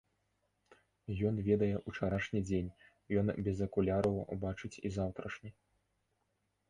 Ён ведае ўчарашні дзень, ён без акуляраў бачыць і заўтрашні.